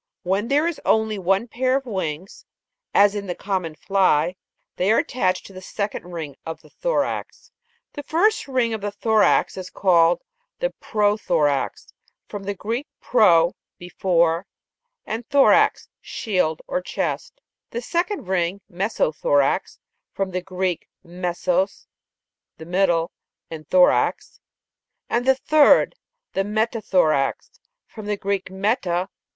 When there is only one pair of wings (as in the common fly), they are attached to the second ring of the thorax (/). The first ring of the thorax (d) is called the prothorax (from the Greek, pro, before, and thorax, shield, or chest); the second ring (/), mesothorax (from the Greek, mesos, the middle, and thorax') ; and the third (t) the meta thorax (from the Greek, meta, between, and thorax").